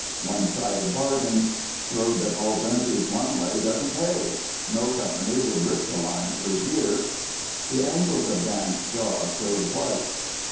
"One sided bargain. Road that hauls empties one way doesn't pay. No company would risk a line through here." The angles of Dan's jaw showed white.